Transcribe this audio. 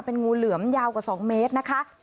เป็นงูเหลือมยาวกว่า๒เมตรนะคะ